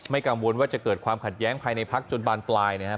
กังวลว่าจะเกิดความขัดแย้งภายในพักจนบานปลายนะครับ